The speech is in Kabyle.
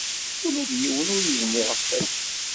Ula d yiwen ur yebni ɣef waya.